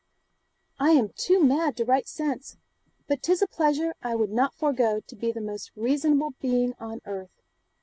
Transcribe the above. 'I am too mad to write sense, but 'tis a pleasure I would not forgo to be the most reasonable being on earth.